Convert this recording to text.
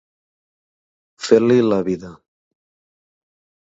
Fer-li la vida.